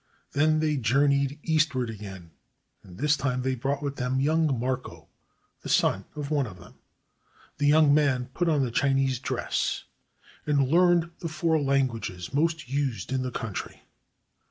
Then they journeyed eastward again, and this time they brought with them young Marco, the son of one of them. The young man put on the Chinese dress and learned the four languages most used in the country.